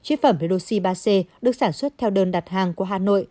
chế phẩm hedroxi ba c được sản xuất theo đơn đặt hàng của hà nội